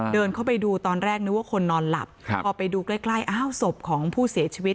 เดินเข้าไปดูตอนแรกนึกว่าคนนอนหลับพอไปดูใกล้ใกล้อ้าวศพของผู้เสียชีวิต